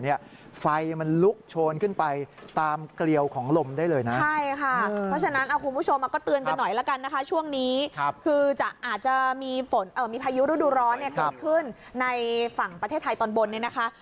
มีพายุฤดูร้อนขึ้นขึ้นในฝั่งประเทศไทยตอนบนนี่นะคะ